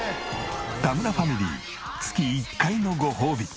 田村ファミリー月１回のご褒美。